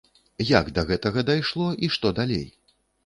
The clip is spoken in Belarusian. Як да гэтага дайшло і што далей?